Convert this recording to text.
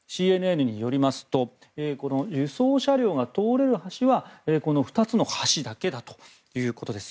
ＣＮＮによりますと輸送車両が通れる橋はこの２つの橋だけだということです。